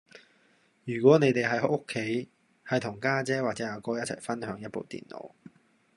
如果你哋喺屋企係同家姐或者阿哥一齊分享一部電腦